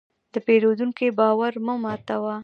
د پیرودونکي باور مه ماتوه.